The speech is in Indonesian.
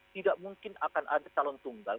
tidak mungkin akan ada calon tunggal